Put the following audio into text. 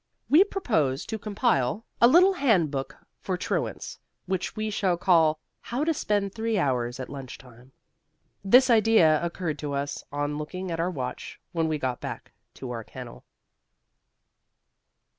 We propose to compile a little handbook for truants, which we shall call "How to Spend Three Hours at Lunch Time." This idea occurred to us on looking at our watch when we got back to our kennel.